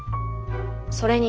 それに。